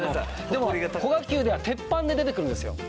でも古賀久では鉄板で出てくるんですよ。